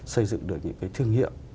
xây dựng được những cái thương hiệu